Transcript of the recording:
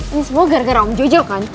ini semua gara gara om jojo kan